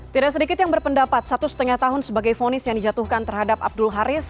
tidak sedikit yang berpendapat satu lima tahun sebagai fonis yang dijatuhkan terhadap abdul haris